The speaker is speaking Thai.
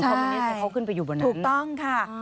เขาขึ้นไปอยู่บนนั้น